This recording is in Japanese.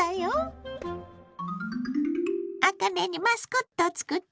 あかねにマスコットを作ったわ。